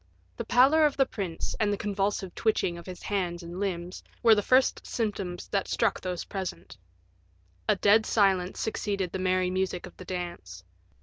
The pallor of the prince, and the convulsive twitching of his hands and limbs, were the first symptoms that struck those present. A dead silence succeeded the merry music of the dance.